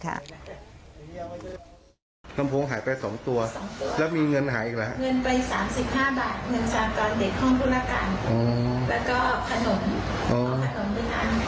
อ๋อเขาอยากทิ้งตรงนี้อีก